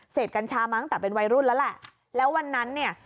กัญชามาตั้งแต่เป็นวัยรุ่นแล้วแหละแล้ววันนั้นเนี่ย